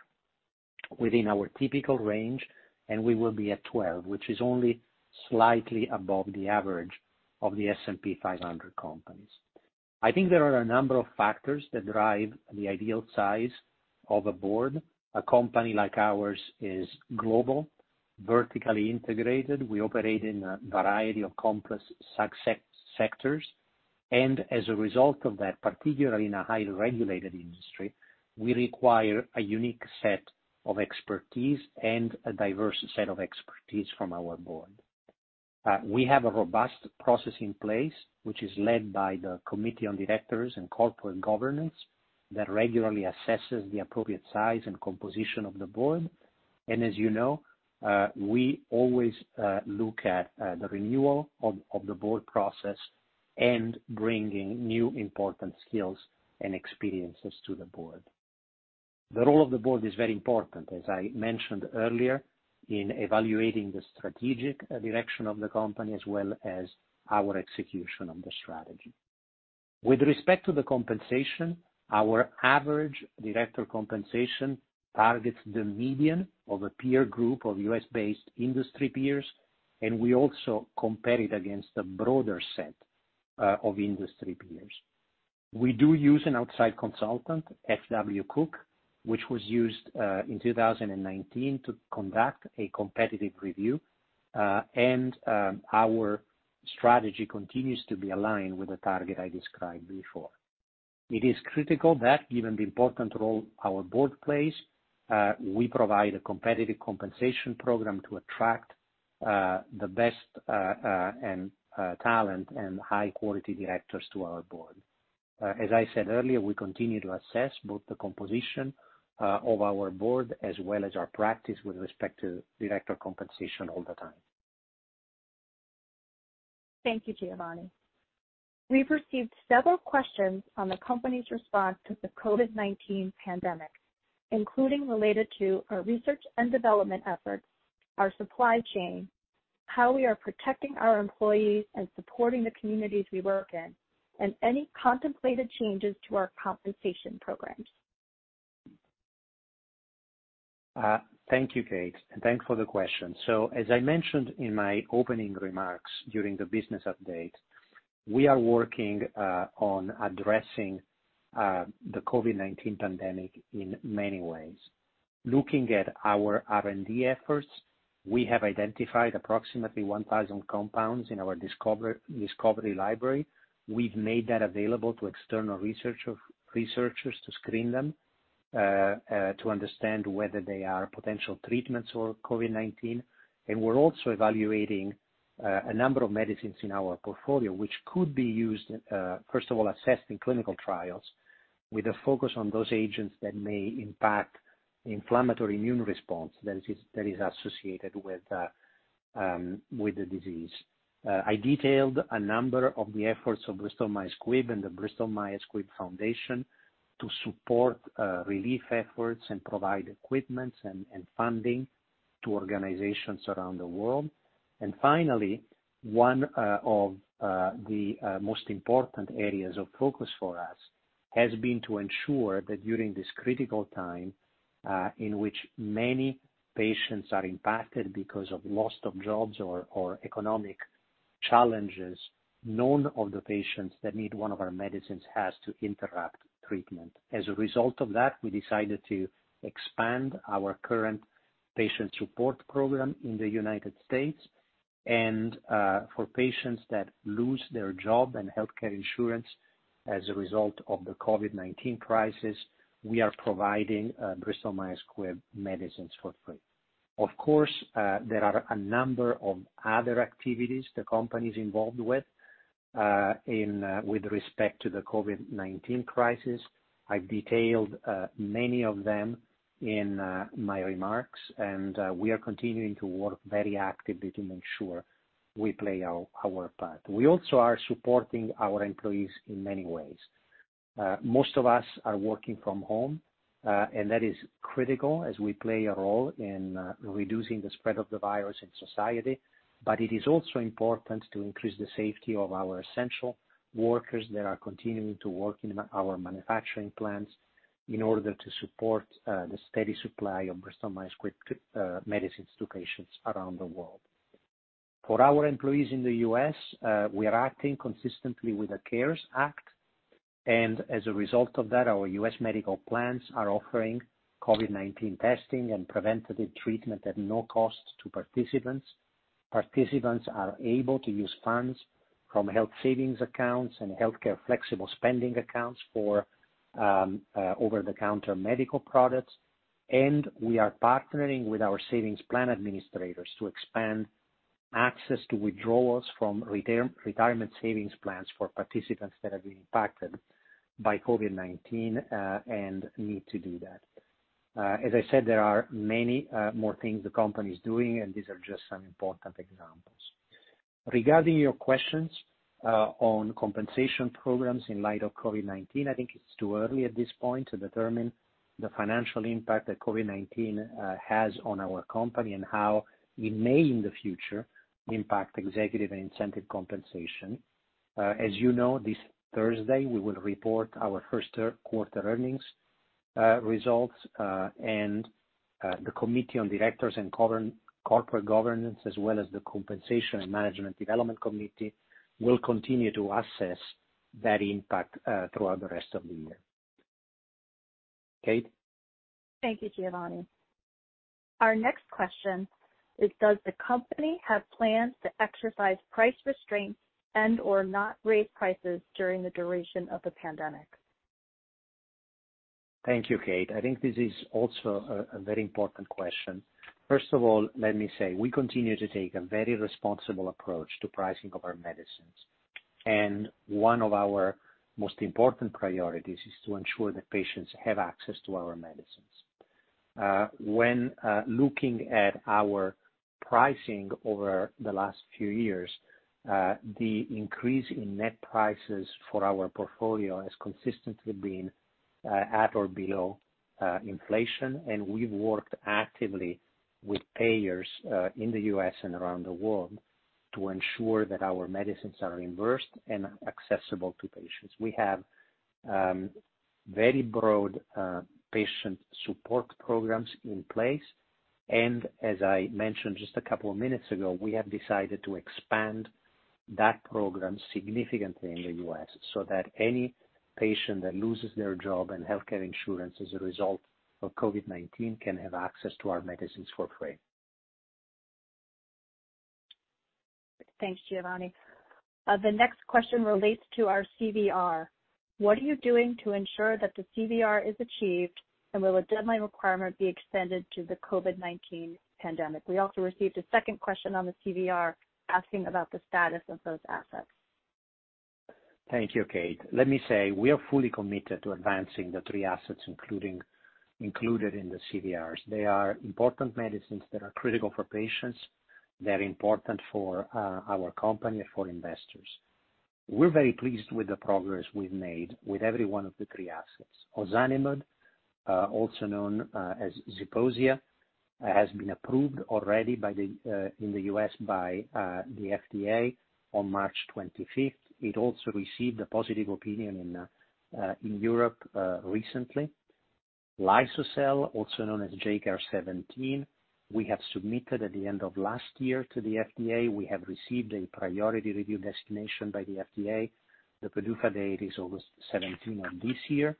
within our typical range, and we will be at 12, which is only slightly above the average of the S&P 500 companies. I think there are a number of factors that drive the ideal size of a board. A company like ours is global, vertically integrated. We operate in a variety of complex sectors. As a result of that, particularly in a highly regulated industry, we require a unique set of expertise and a diverse set of expertise from our board. We have a robust process in place, which is led by the Committee on Directors and Corporate Governance, that regularly assesses the appropriate size and composition of the board. As you know, we always look at the renewal of the board process and bringing new important skills and experiences to the board. The role of the board is very important, as I mentioned earlier, in evaluating the strategic direction of the company, as well as our execution of the strategy. With respect to the compensation, our average director compensation targets the median of a peer group of U.S.-based industry peers, and we also compare it against a broader set of industry peers. We do use an outside consultant, FW Cook, which was used in 2019 to conduct a competitive review, and our strategy continues to be aligned with the target I described before. It is critical that given the important role our board plays, we provide a competitive compensation program to attract the best talent and high-quality directors to our board. As I said earlier, we continue to assess both the composition of our board as well as our practice with respect to director compensation all the time. Thank you, Giovanni. We've received several questions on the company's response to the COVID-19 pandemic, including related to our research and development efforts, our supply chain, how we are protecting our employees and supporting the communities we work in, and any contemplated changes to our compensation programs. Thank you, Kate, and thanks for the question. As I mentioned in my opening remarks during the business update, we are working on addressing the COVID-19 pandemic in many ways. Looking at our R&D efforts, we have identified approximately 1,000 compounds in our discovery library. We've made that available to external researchers to screen them, to understand whether they are potential treatments for COVID-19. We're also evaluating a number of medicines in our portfolio which could be used, first of all, assessed in clinical trials, with a focus on those agents that may impact the inflammatory immune response that is associated with the disease. I detailed a number of the efforts of Bristol Myers Squibb and the Bristol Myers Squibb Foundation to support relief efforts and provide equipment and funding to organizations around the world. Finally, one of the most important areas of focus for us has been to ensure that during this critical time in which many patients are impacted because of loss of jobs or economic challenges, none of the patients that need one of our medicines has to interrupt treatment. As a result of that, we decided to expand our current patient support program in the United States. For patients that lose their job and healthcare insurance as a result of the COVID-19 crisis, we are providing Bristol Myers Squibb medicines for free. Of course, there are a number of other activities the company's involved with respect to the COVID-19 crisis. I've detailed many of them in my remarks, and we are continuing to work very actively to make sure we play our part. We also are supporting our employees in many ways. Most of us are working from home, and that is critical as we play a role in reducing the spread of the virus in society. It is also important to increase the safety of our essential workers that are continuing to work in our manufacturing plants in order to support the steady supply of Bristol Myers Squibb medicines to patients around the world. For our employees in the U.S., we are acting consistently with the CARES Act, and as a result of that, our U.S. medical plans are offering COVID-19 testing and preventative treatment at no cost to participants. Participants are able to use funds from health savings accounts and healthcare flexible spending accounts for over-the-counter medical products. We are partnering with our savings plan administrators to expand access to withdrawals from retirement savings plans for participants that have been impacted by COVID-19 and need to do that. As I said, there are many more things the company's doing, and these are just some important examples. Regarding your questions on compensation programs in light of COVID-19, I think it's too early at this point to determine the financial impact that COVID-19 has on our company and how we may in the future impact executive and incentive compensation. As you know, this Thursday, we will report our first quarter earnings results, and the Committee on Directors and Corporate Governance, as well as the Compensation and Management Development Committee, will continue to assess that impact throughout the rest of the year. Kate? Thank you, Giovanni. Our next question is, does the company have plans to exercise price restraints and/or not raise prices during the duration of the pandemic? Thank you, Kate. I think this is also a very important question. First of all, let me say, we continue to take a very responsible approach to pricing of our medicines. One of our most important priorities is to ensure that patients have access to our medicines. When looking at our pricing over the last few years, the increase in net prices for our portfolio has consistently been at or below inflation, and we've worked actively with payers in the U.S. and around the world to ensure that our medicines are reimbursed and accessible to patients. We have very broad patient support programs in place, and as I mentioned just a couple of minutes ago, we have decided to expand that program significantly in the U.S., so that any patient that loses their job and healthcare insurance as a result of COVID-19 can have access to our medicines for free. Thanks, Giovanni. The next question relates to our CVR. What are you doing to ensure that the CVR is achieved? Will a deadline requirement be extended to the COVID-19 pandemic? We also received a second question on the CVR asking about the status of those assets. Thank you, Kate. Let me say, we are fully committed to advancing the three assets included in the CVRs. They are important medicines that are critical for patients. They're important for our company and for investors. We're very pleased with the progress we've made with every one of the three assets. ozanimod, also known as ZEPOSIA, has been approved already in the U.S. by the FDA on March 25th. It also received a positive opinion in Europe recently. Liso-cel, also known as JCAR017, we have submitted at the end of last year to the FDA. We have received a priority review designation by the FDA. The PDUFA date is August 17 of this year,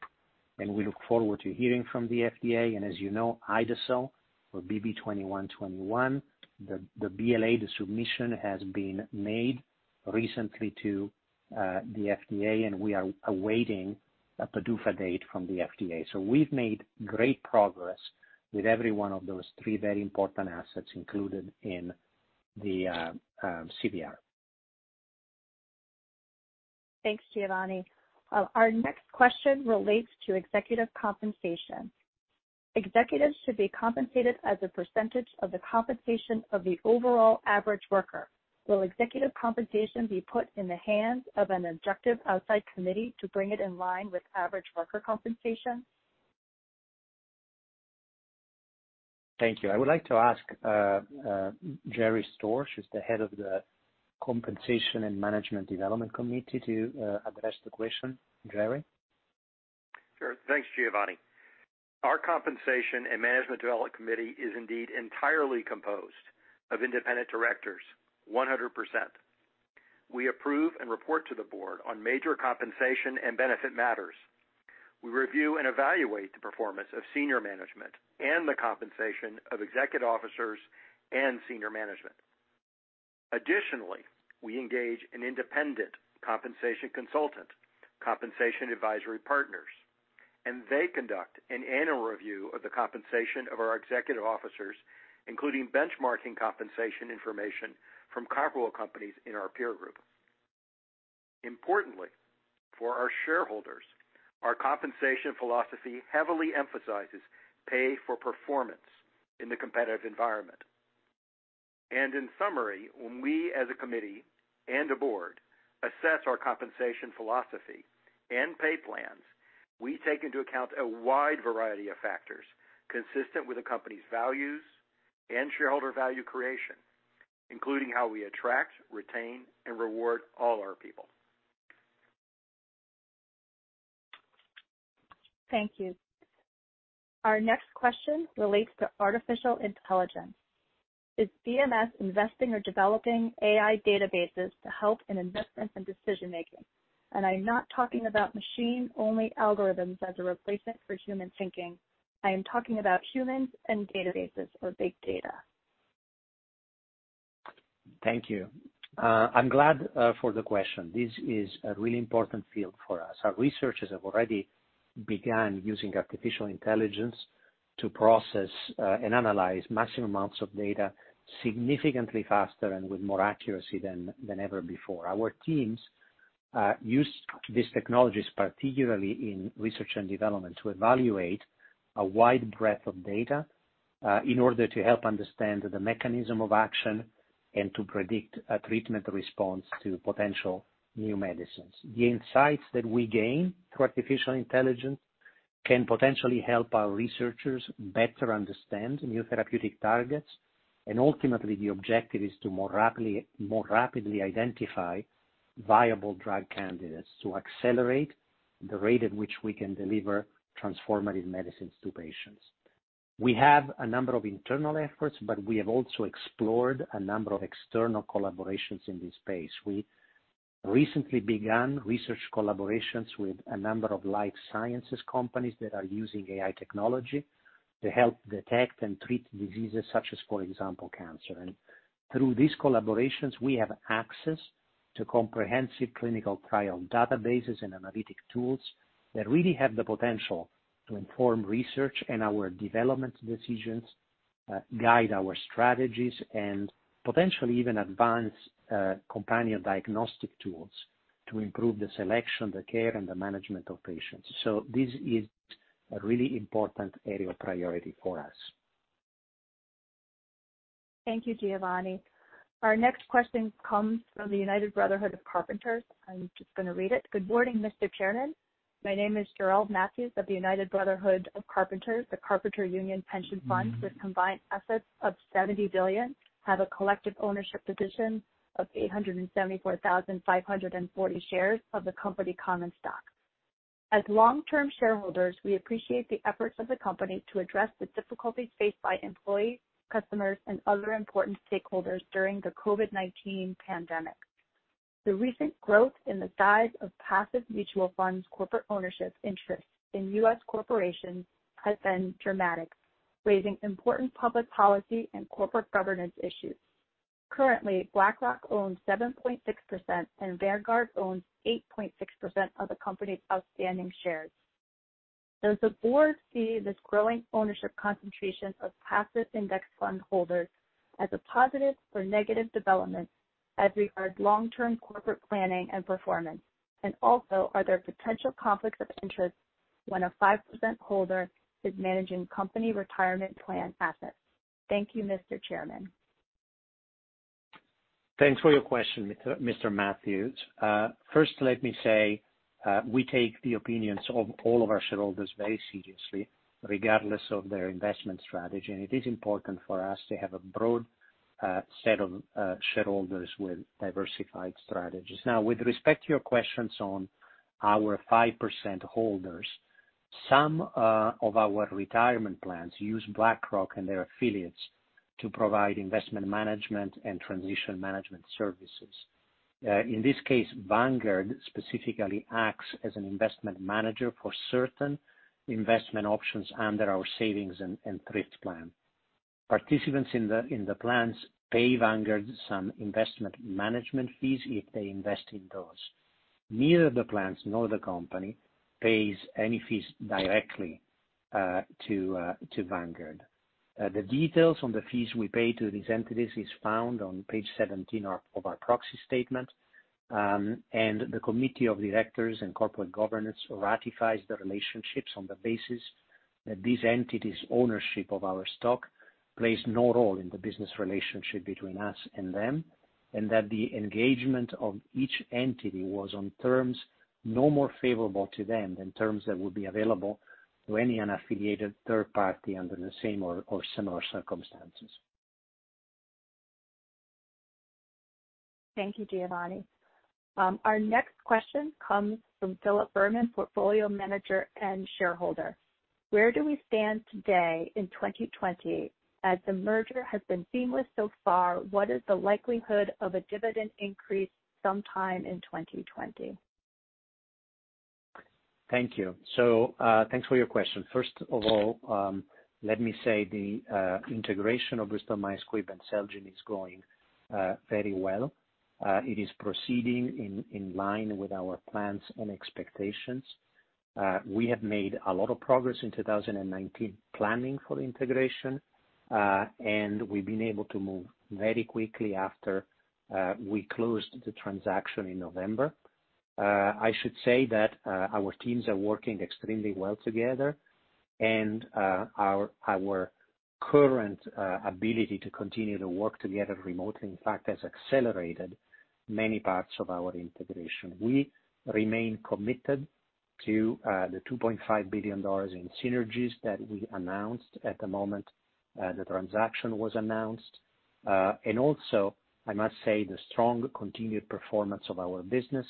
and we look forward to hearing from the FDA. As you know, Ide-cel or bb2121, the BLA submission has been made recently to the FDA, and we are awaiting a PDUFA date from the FDA. We've made great progress with every one of those three very important assets included in the CVR. Thanks, Giovanni. Our next question relates to executive compensation. Executives should be compensated as a percentage of the compensation of the overall average worker. Will executive compensation be put in the hands of an objective outside committee to bring it in line with average worker compensation? Thank you. I would like to ask Jerry Storch, who's the head of the Compensation and Management Development Committee, to address the question. Jerry? Sure. Thanks, Giovanni. Our Compensation and Management Development Committee is indeed entirely composed of independent directors, 100%. We approve and report to the board on major compensation and benefit matters. We review and evaluate the performance of senior management and the compensation of executive officers and senior management. Additionally, we engage an independent compensation consultant, Compensation Advisory Partners, and they conduct an annual review of the compensation of our executive officers, including benchmarking compensation information from comparable companies in our peer group. Importantly, for our shareholders, our compensation philosophy heavily emphasizes pay for performance in the competitive environment. In summary, when we as a committee and a board assess our compensation philosophy and pay plans, we take into account a wide variety of factors consistent with the company's values and shareholder value creation, including how we attract, retain, and reward all our people. Thank you. Our next question relates to artificial intelligence. Is BMS investing or developing AI databases to help in investment and decision-making? I'm not talking about machine-only algorithms as a replacement for human thinking. I am talking about humans and databases or big data. Thank you. I'm glad for the question. This is a really important field for us. Our researchers have already begun using artificial intelligence to process and analyze massive amounts of data significantly faster and with more accuracy than ever before. Our teams use these technologies particularly in research and development to evaluate a wide breadth of data in order to help understand the mechanism of action and to predict a treatment response to potential new medicines. The insights that we gain through artificial intelligence can potentially help our researchers better understand new therapeutic targets, and ultimately the objective is to more rapidly identify viable drug candidates to accelerate the rate at which we can deliver transformative medicines to patients. We have a number of internal efforts, but we have also explored a number of external collaborations in this space. We recently began research collaborations with a number of life sciences companies that are using AI technology to help detect and treat diseases such as, for example, cancer. Through these collaborations, we have access to comprehensive clinical trial databases and analytic tools that really have the potential to inform research and our development decisions, guide our strategies, and potentially even advance companion diagnostic tools to improve the selection, the care, and the management of patients. This is a really important area of priority for us. Thank you, Giovanni. Our next question comes from the United Brotherhood of Carpenters. I'm just going to read it. "Good morning, Mr. Chairman. My name is Gerald Matthews of the United Brotherhood of Carpenters, the carpenter union pension fund with combined assets of $70 billion have a collective ownership position of 874,540 shares of the company common stock. As long-term shareholders, we appreciate the efforts of the company to address the difficulties faced by employees, customers, and other important stakeholders during the COVID-19 pandemic. The recent growth in the size of passive mutual funds corporate ownership interests in U.S. corporations has been dramatic, raising important public policy and corporate governance issues. Currently, BlackRock owns 7.6% and Vanguard owns 8.6% of the company's outstanding shares. Does the board see this growing ownership concentration of passive index fund holders as a positive or negative development as regards long-term corporate planning and performance? Also, are there potential conflicts of interest when a 5% holder is managing company retirement plan assets? Thank you, Mr. Chairman. Thanks for your question, Mr. Matthews. First let me say, we take the opinions of all of our shareholders very seriously, regardless of their investment strategy, and it is important for us to have a broad set of shareholders with diversified strategies. With respect to your questions on our 5% holders, some of our retirement plans use BlackRock and their affiliates to provide investment management and transition management services. In this case, Vanguard specifically acts as an investment manager for certain investment options under our savings and thrift plan. Participants in the plans pay Vanguard some investment management fees if they invest in those. Neither the plans nor the company pays any fees directly to Vanguard. The details on the fees we pay to these entities is found on page 17 of our proxy statement, and the Committee on Directors and Corporate Governance ratifies the relationships on the basis that these entities' ownership of our stock plays no role in the business relationship between us and them, and that the engagement of each entity was on terms no more favorable to them than terms that would be available to any unaffiliated third party under the same or similar circumstances. Thank you, Giovanni. Our next question comes from Philip Berman, portfolio manager and shareholder. Where do we stand today in 2020? As the merger has been seamless so far, what is the likelihood of a dividend increase sometime in 2020? Thank you. Thanks for your question. First of all, let me say the integration of Bristol Myers Squibb and Celgene is going very well. It is proceeding in line with our plans and expectations. We have made a lot of progress in 2019 planning for the integration, and we've been able to move very quickly after we closed the transaction in November. I should say that our teams are working extremely well together, and our current ability to continue to work together remotely, in fact, has accelerated many parts of our integration. We remain committed to the $2.5 billion in synergies that we announced at the moment the transaction was announced. Also, I must say, the strong continued performance of our business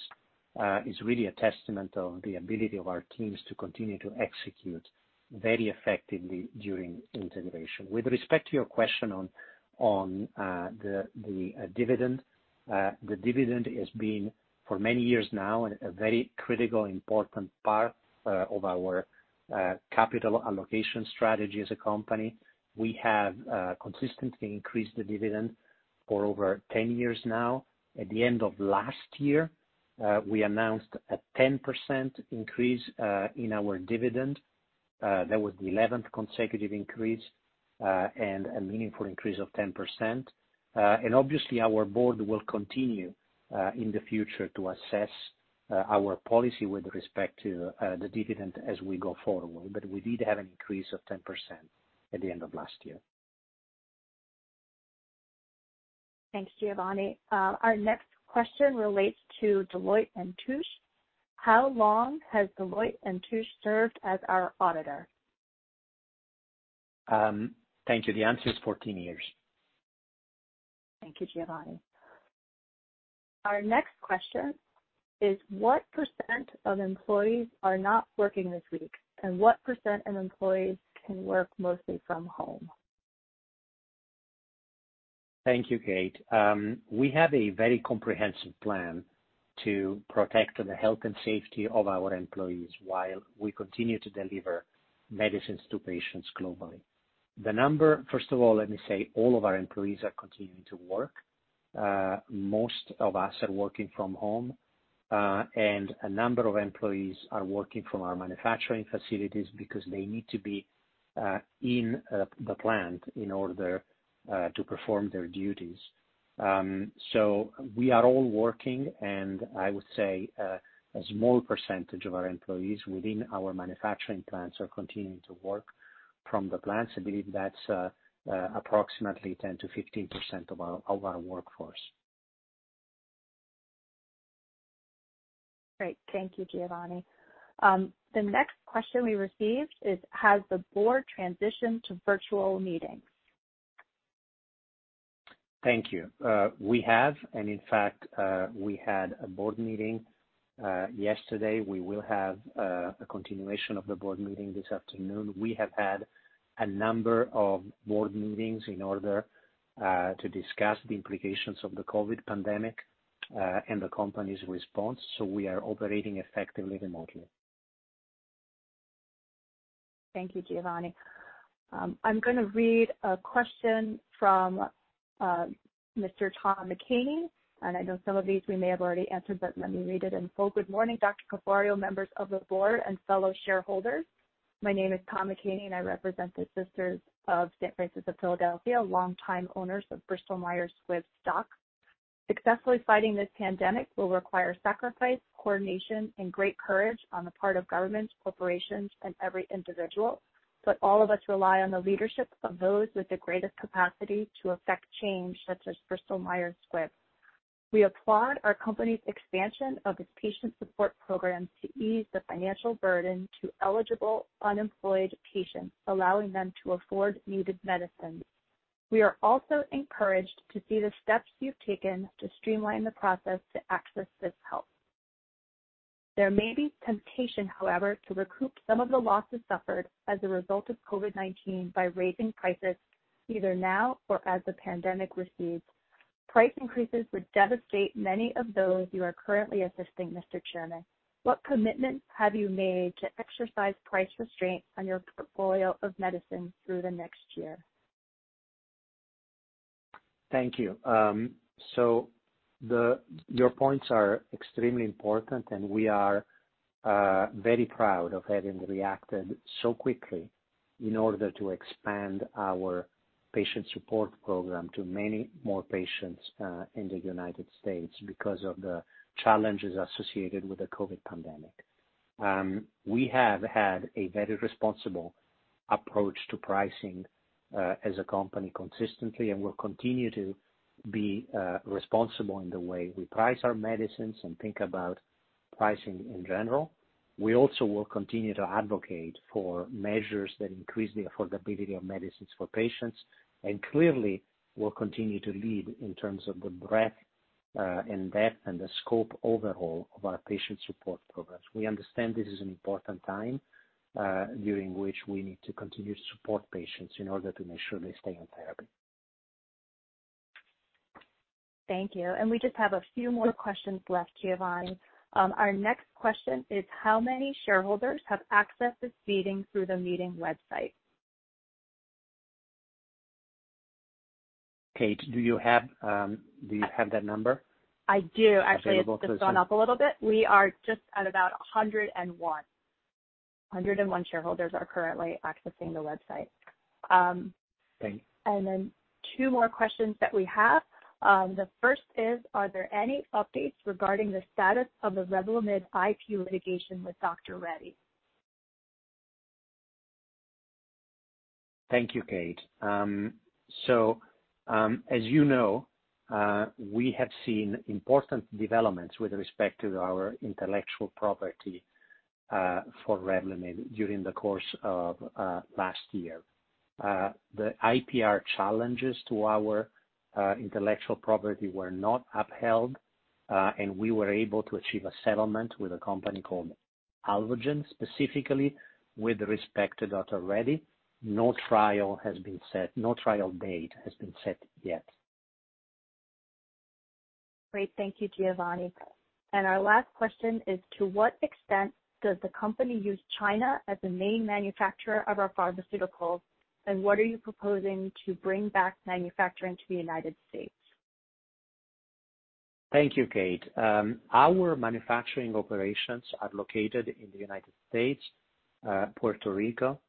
is really a testament of the ability of our teams to continue to execute very effectively during integration. With respect to your question on the dividend, the dividend has been, for many years now, a very critical, important part of our capital allocation strategy as a company. We have consistently increased the dividend for over 10 years now. At the end of last year, we announced a 10% increase in our dividend. That was the 11th consecutive increase, and a meaningful increase of 10%. Obviously, our board will continue in the future to assess our policy with respect to the dividend as we go forward. We did have an increase of 10% at the end of last year. Thanks, Giovanni. Our next question relates to Deloitte & Touche. How long has Deloitte & Touche served as our auditor? Thank you. The answer is 14 years. Thank you, Giovanni. Our next question is, what percent of employees are not working this week, and what percent of employees can work mostly from home? Thank you, Kate. We have a very comprehensive plan to protect the health and safety of our employees while we continue to deliver medicines to patients globally. First of all, let me say, all of our employees are continuing to work. Most of us are working from home, and a number of employees are working from our manufacturing facilities because they need to be in the plant in order to perform their duties. We are all working, and I would say a small percentage of our employees within our manufacturing plants are continuing to work from the plants. I believe that's approximately 10%-15% of our workforce. Great. Thank you, Giovanni. The next question we received is, has the Board transitioned to virtual meetings? Thank you. In fact, we had a board meeting yesterday. We will have a continuation of the board meeting this afternoon. We have had a number of board meetings in order to discuss the implications of the COVID-19 pandemic, and the company's response. We are operating effectively remotely. Thank you, Giovanni. I'm going to read a question from Mr. Tom McCaney. I know some of these we may have already answered, but let me read it in full. "Good morning, Dr. Caforio, members of the board, and fellow shareholders. My name is Tom McCaney. I represent the Sisters of St. Francis of Philadelphia, longtime owners of Bristol Myers Squibb stock. Successfully fighting this pandemic will require sacrifice, coordination, and great courage on the part of governments, corporations, and every individual. All of us rely on the leadership of those with the greatest capacity to affect change, such as Bristol Myers Squibb. We applaud our company's expansion of its patient support programs to ease the financial burden to eligible unemployed patients, allowing them to afford needed medicines. We are also encouraged to see the steps you've taken to streamline the process to access this help. There may be temptation, however, to recoup some of the losses suffered as a result of COVID-19 by raising prices either now or as the pandemic recedes. Price increases would devastate many of those you are currently assisting, Mr. Chairman. What commitments have you made to exercise price restraints on your portfolio of medicine through the next year? Thank you. Your points are extremely important, and we are very proud of having reacted so quickly in order to expand our patient support program to many more patients in the United States because of the challenges associated with the COVID-19 pandemic. We have had a very responsible approach to pricing as a company consistently, and we'll continue to be responsible in the way we price our medicines and think about pricing in general. We also will continue to advocate for measures that increase the affordability of medicines for patients and clearly will continue to lead in terms of the breadth and depth and the scope overall of our patient support programs. We understand this is an important time during which we need to continue to support patients in order to make sure they stay on therapy. Thank you. We just have a few more questions left, Giovanni. Our next question is how many shareholders have accessed this meeting through the meeting website? Kate, do you have that number? I do, actually. Available to us? It's just gone up a little bit. We are just at about 101. 101 shareholders are currently accessing the website. Thank you. Two more questions that we have. The first is, are there any updates regarding the status of the REVLIMID IP litigation with Dr. Reddy's? Thank you, Kate. As you know, we have seen important developments with respect to our intellectual property for REVLIMID during the course of last year. The IPR challenges to our intellectual property were not upheld, and we were able to achieve a settlement with a company called Alvogen, specifically with respect to Dr. Reddy's. No trial date has been set yet. Great. Thank you, Giovanni. Our last question is, to what extent does the company use China as a main manufacturer of our pharmaceuticals, and what are you proposing to bring back manufacturing to the United States? Thank you, Kate. Our manufacturing operations are located in the U.S., Puerto Rico,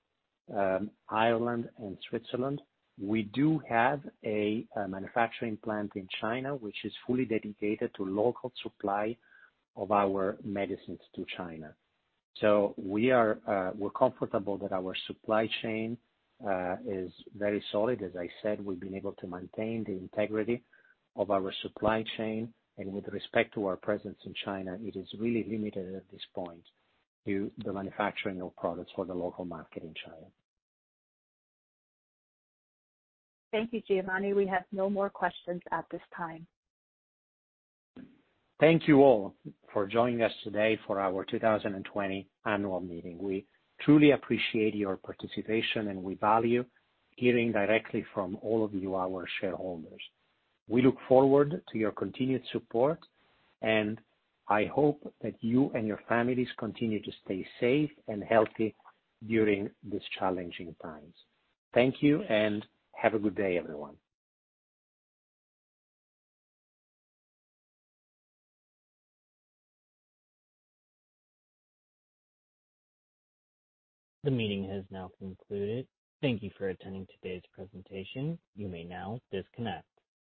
Ireland, and Switzerland. We do have a manufacturing plant in China, which is fully dedicated to local supply of our medicines to China. We're comfortable that our supply chain is very solid. As I said, we've been able to maintain the integrity of our supply chain. With respect to our presence in China, it is really limited at this point to the manufacturing of products for the local market in China. Thank you, Giovanni. We have no more questions at this time. Thank you all for joining us today for our 2020 annual meeting. We truly appreciate your participation, and we value hearing directly from all of you, our shareholders. We look forward to your continued support, and I hope that you and your families continue to stay safe and healthy during these challenging times. Thank you, and have a good day, everyone. The meeting has now concluded. Thank you for attending today's presentation. You may now disconnect.